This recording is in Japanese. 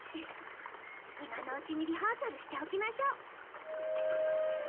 今のうちにリハーサルしておきましょう。